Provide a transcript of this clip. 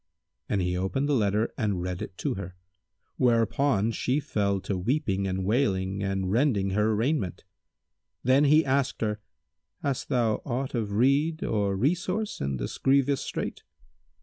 And he opened the letter and read it to her, whereupon she fell to weeping and wailing and rending her raiment. Then he asked her, "Hast thou aught of rede or resource in this grievous strait?"